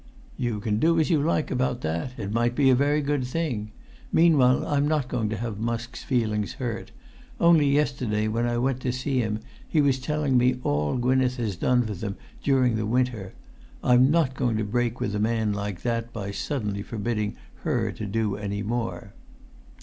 "You can do as you like about that. It might be a very good thing. Meanwhile I'm not going to have Musk's feelings hurt; only yesterday, when I went to see him, he was telling me all Gwynneth has done for them during the winter. I'm not going[Pg 259] to break with a man like that by suddenly forbidding her to do any more."